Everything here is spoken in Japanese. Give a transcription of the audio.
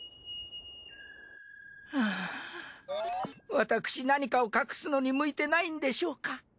ハア私何かを隠すのに向いてないんでしょうか。